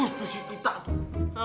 bagus tuh si tita tuh